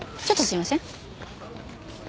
ちょっとすいません。